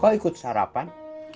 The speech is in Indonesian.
kok ikut sarapan